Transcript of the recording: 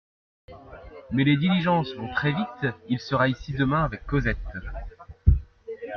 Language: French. Mais les diligences vont très vite ! Il sera ici demain avec Cosette.